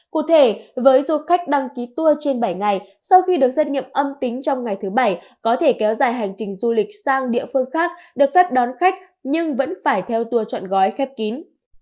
cụ thể với du khách đăng ký tour trên bảy ngày sau khi được xét nghiệm âm tính trong ngày thứ bảy có thể kéo dài hành trình du lịch sang địa phương khác được phép đón khách nhưng vẫn phải theo tour chọn gói khép kín